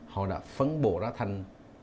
họ đã phấn bộ ra thành